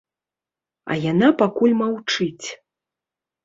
А яна пакуль маўчыць.